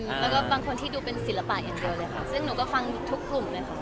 แล้วก็บางคนที่ดูเป็นศิลปะอย่างเดียวเลยค่ะซึ่งหนูก็ฟังทุกกลุ่มเลยค่ะ